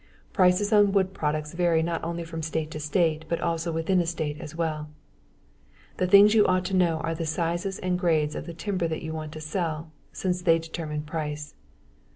Prices on wood products vary not only from state to state but also within a state as well. The things you ought to know are the sizes and the grades of the timber that you want to sell, since they determine price.